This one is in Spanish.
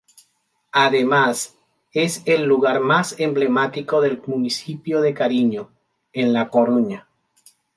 Además, es el lugar más emblemático del municipio de Cariño, en La Coruña.